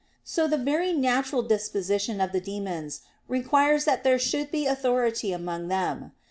So the very natural disposition of the demons requires that there should be authority among them.